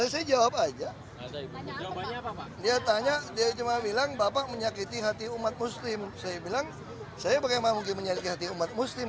saya bagaimana mungkin menyalahkan hati umat muslim